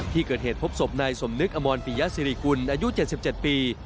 ที่เกิดเหตุพบสมนบ์นายสมนึกอำนวลฟิญญาสรีคุณอายุ๗๗ปี